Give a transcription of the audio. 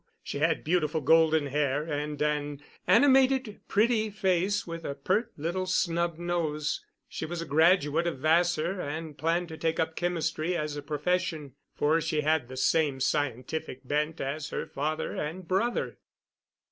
She had beautiful golden hair and an animated, pretty face, with a pert little snub nose. She was a graduate of Vassar, and planned to take up chemistry as a profession, for she had the same scientific bent as her father and brother.